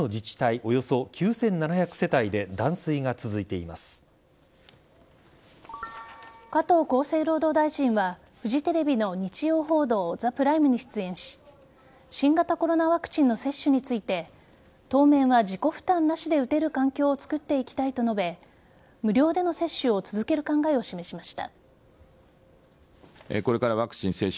およそ９７００世帯で加藤厚生労働大臣はフジテレビの「日曜報道ＴＨＥＰＲＩＭＥ」に出演し新型コロナワクチンの接種について当面は自己負担なしで打てる環境を作っていきたいと述べ無料での接種を続ける考えを示しました。